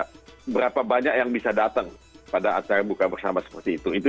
berapa banyak yang bisa datang pada acara buka bersama seperti itu